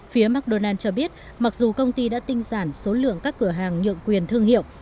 phía mcdonald s cho biết mặc dù công ty đã tinh giản số lượng các cửa hàng nhượng quyền thương hiệu